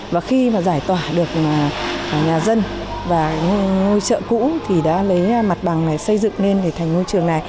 và khi mà giải tỏa được nhà dân và ngôi chợ cũ thì đã lấy mặt bằng này xây dựng lên để thành ngôi trường này